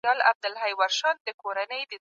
ځینې اقتصاد پوهان پرمختیا پروسه ګڼي.